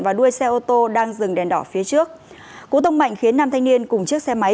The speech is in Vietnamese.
và đuôi xe ô tô đang dừng đèn đỏ phía trước cú tông mạnh khiến nam thanh niên cùng chiếc xe máy